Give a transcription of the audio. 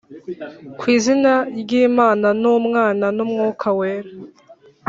kw'izina ry'Imana n’Umwana n’Umwuka Wera